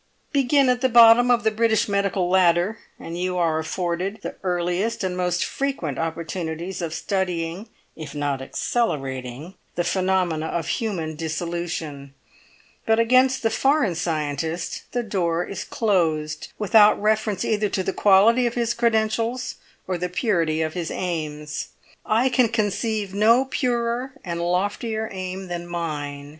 Begin at the bottom of the British medical ladder, and you are afforded the earliest and most frequent opportunities of studying (if not accelerating) the phenomena of human dissolution; but against the foreign scientist the door is closed, without reference either to the quality of his credentials or the purity of his aims. I can conceive no purer and no loftier aim than mine.